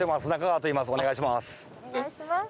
お願いします。